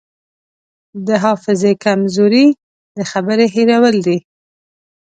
د حافظې کمزوري د خبرې هېرول دي.